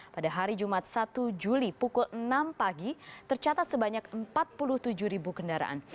pada hari jumat satu juli pukul enam pagi tercatat sebanyak empat puluh tujuh ribu kendaraan